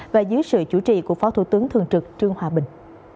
và dưới sự chủ trì của phó thủ tướng thường trực trương hòa bình